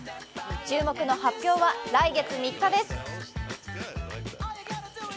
注目の発表は来月３日です。